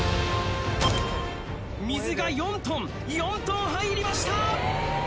水が４ｔ４ｔ入りました！